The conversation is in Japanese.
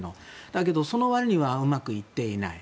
だけど、そのわりにはうまくいっていない。